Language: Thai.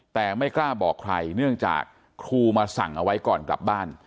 แต่ไม่กล้าบอกใครเนื่องจากครูมาสั่งเอาไว้ก่อนกลับบ้าน